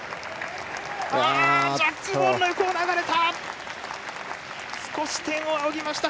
ジャックボールの横を流れた！